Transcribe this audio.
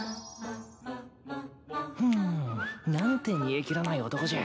ふん何て煮え切らない男じゃ。